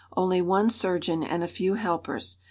"Only one surgeon and a few helpers.